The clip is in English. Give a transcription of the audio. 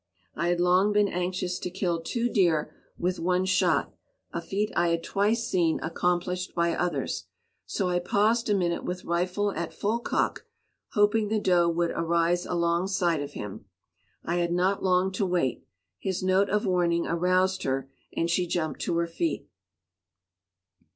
I had long been anxious to kill two deer with one shot, a feat I had twice seen accomplished by others, so I paused a minute with rifle at full cock, hoping the doe would arise alongside of him. I had not long to wait; his note of warning aroused her, and she jumped to her feet.